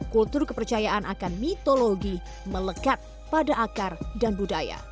kultur kepercayaan akan mitologi melekat pada akar dan budaya